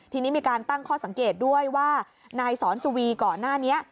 ทีนี้มีการตั้งข้อสังเกตด้วยว่านายสอนสุวีก่อนหน้านี้